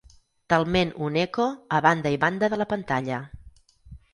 Talment un eco a banda i banda de la pantalla.